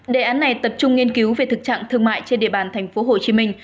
đề án này tập trung nghiên cứu về thực trạng thương mại trên địa bàn thành phố hồ chí minh